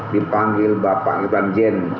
dipanggil bapak irfan jain